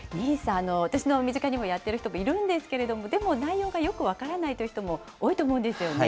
ＮＩＳＡ、私の身近にもやってる人もいるんですけれども、でも、内容がよく分からないという人も多いと思うんですよね。